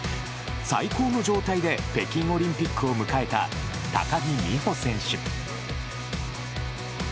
最高の状態で北京オリンピックを迎えた高木美帆選手。